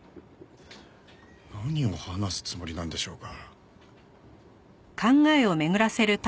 何を話すつもりなんでしょうか？